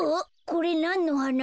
これなんのはな？